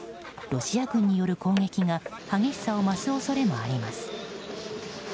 ロシア軍による攻撃が激しさを増す恐れもあります。